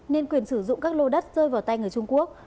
nên quyền sử dụng các lô đất rơi vào tay người trung quốc